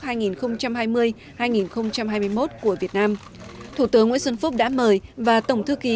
hội đồng bảo an liên hợp quốc hai nghìn hai mươi hai nghìn hai mươi một của việt nam thủ tướng nguyễn xuân phúc đã mời và tổng thư ký